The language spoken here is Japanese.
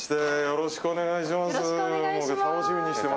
よろしくお願いします。